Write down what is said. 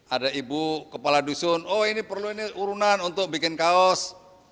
ada ibu kepala dusun oh ini perlu ini urunan untuk bikin kaos